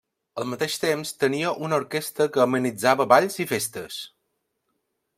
Al mateix temps tenia una orquestra que amenitzava balls i festes.